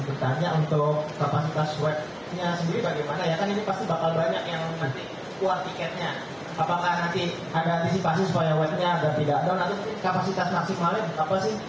soalnya pak saya hubungan dari cnbc mau tanya untuk presentasi bagian hasilnya itu untuk penjualan tiket dengan argentina seperti apa